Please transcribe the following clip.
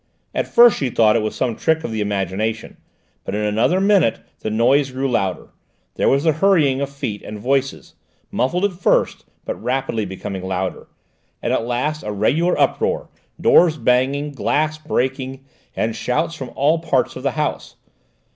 At first she thought it was some trick of the imagination, but in another minute the noise grew louder; there was the hurrying of feet and voices, muffled at first but rapidly becoming louder, and at last a regular uproar, doors banging, glass breaking, and shouts from all parts of the house.